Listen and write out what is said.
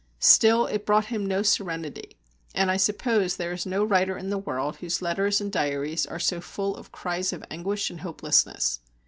Still, it brought him no serenity; and I suppose there is no writer in the world whose letters and diaries are so full of cries of anguish and hopelessness.